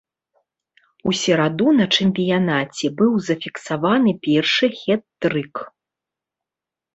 У сераду на чэмпіянаце быў зафіксаваны першы хет-трык.